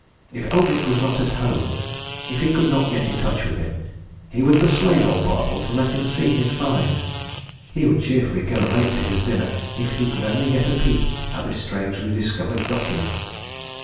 If Eldrick was not at home, if he could not get in touch with him, he would persuade old Bartle to let him see his find he would cheerfully go late to his dinner if he could only get a peep at this strangely discovered document.